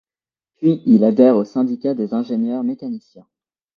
Puis il adhère au syndicat des ingénieurs mécaniciens.